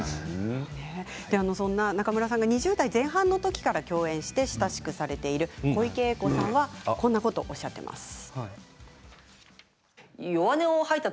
中村さんが２０代前半のころから共演して親しくされている小池栄子さんはこんなことをおっしゃっていました。